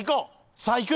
さあいく！